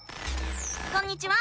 こんにちは！